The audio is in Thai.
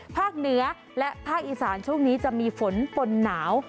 ภาคเหนือและภาคอีสานช่วงนี้จะมีฝนปนหนาว